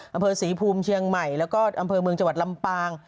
อำเภอศรีภูมิเชียงใหม่แล้วก็อำเภอเมืองจังหวัดลำปาง